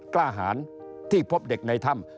กล้าหารที่พบเด็กในถ้ำ